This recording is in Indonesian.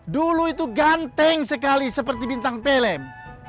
dulu itu ganteng sekali seperti bintang pelem